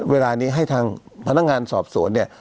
เวลานี้ให้ทางพนักงานสอบสวนเนี่ย